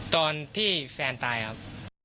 ตอนที่แฟนตายครับ